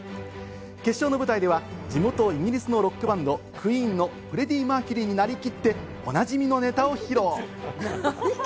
決勝の舞台では地元イギリスのロックバンド、ＱＵＥＥＮのフレディ・マーキュリーになりきって、おなじみのネタを披露。